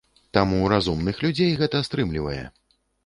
Таму разумных людзей гэта стрымлівае.